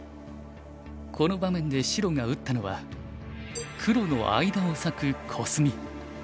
この場面で白が打ったのは黒の間を裂くコスミ。